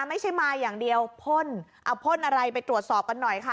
ไม่ใช่มาอย่างเดียวพ่นเอาพ่นอะไรไปตรวจสอบกันหน่อยค่ะ